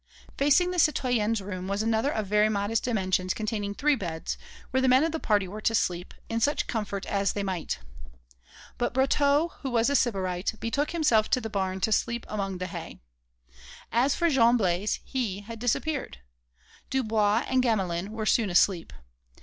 Facing the citoyennes' room was another of very modest dimensions containing three beds, where the men of the party were to sleep, in such comfort as they might. But Brotteaux, who was a Sybarite, betook himself to the barn to sleep among the hay. As for Jean Blaise, he had disappeared. Dubois and Gamelin were soon asleep.